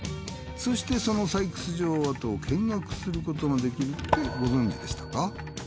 そしてその採掘場跡を見学することができるってご存じでしたか？